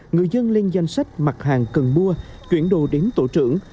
người dân lên danh sách mặt hàng cần mua chuyển đồ đến tổ trưởng